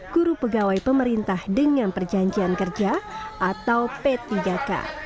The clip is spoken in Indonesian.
guru pegawai pemerintah dengan perjanjian kerja atau p tiga k